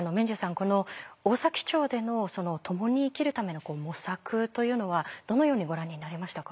この大崎町での共に生きるための模索というのはどのようにご覧になりましたか？